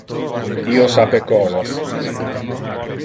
Io sape cosas.